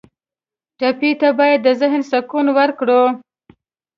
ټپي ته باید د ذهن سکون ورکړو.